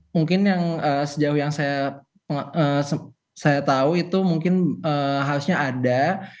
mungkin yang sejauh yang saya tahu itu mungkin harusnya ada